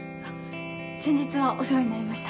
先日はお世話になりました。